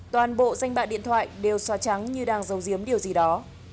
toàn bộ danh bạc điện thoại đều xóa trắng như đang giấu giếm điều gì đó